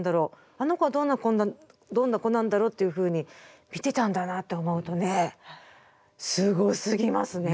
あの子はどんな子なんだろうっていうふうに見てたんだなって思うとねすごすぎますね。